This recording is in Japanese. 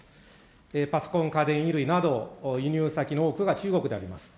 パソコン、家電、衣類など、輸入先の多くが中国であります。